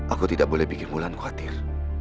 aku tidak boleh bikin bulan khawatir